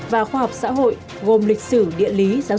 và khoa học xã hội